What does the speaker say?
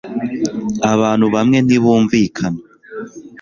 Abantu bamwe ntibumvikana